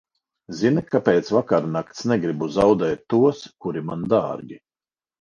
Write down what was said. Zini, ka pēc vakarnakts negribu zaudēt tos, kuri man dārgi.